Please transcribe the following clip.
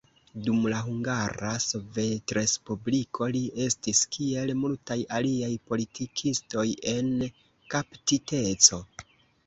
Dum la Hungara Sovetrespubliko, li estis kiel multaj aliaj politikistoj, en kaptiteco.